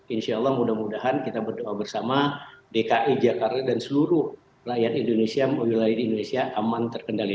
insya allah mudah mudahan kita berdoa bersama dki jakarta dan seluruh rakyat indonesia wilayah di indonesia aman terkendali